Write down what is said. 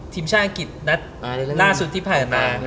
ทีมชาติอังกฤษนัดล่าสุดที่ผ่านมา